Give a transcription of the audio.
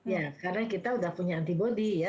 ya karena kita sudah punya antibody ya